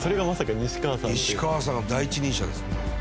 西川さんが第一人者です。